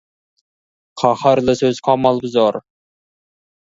Қаһарлы сөз қамал бұзар.